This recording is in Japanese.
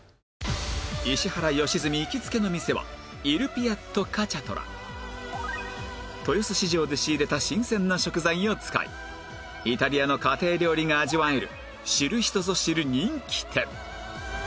石原良純行きつけの店は豊洲市場で仕入れた新鮮な食材を使いイタリアの家庭料理が味わえる知る人ぞ知る人気店